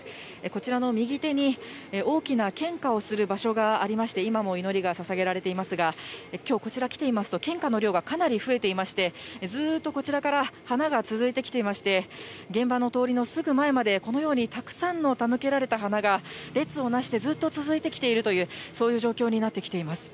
こちらの右手に、大きな献花をする場所がありまして、今も祈りがささげられていますが、きょう、こちら来てみますと、献花の量が増えていまして、ずーっとこちらから花が続いてきていまして、現場の通りのすぐ前まで、このようにたくさんの手向けられた花が、列をなしてずっと続いてきているという、そういう状況になってきています。